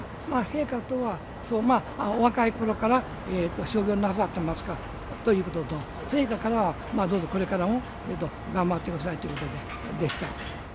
陛下とはお若いころから将棋をなさってますかということと、陛下からは、どうぞこれからも頑張ってくださいということでした。